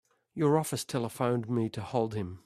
Your office telephoned me to hold him.